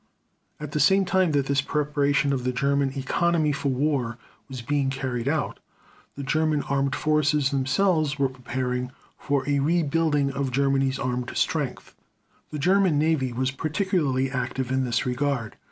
At the same time that this preparation of the German economy for war was being carried out, the German armed forces themselves were preparing for a rebuilding of Germany's armed strength. The German Navy was particularly active in this regard.